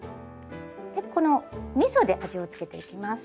でこのみそで味をつけていきます。